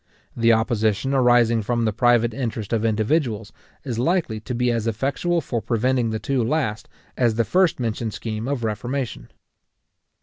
The opposition arising from the private interest of individuals, is likely to be as effectual for preventing the two last as the first mentioned scheme of reformation.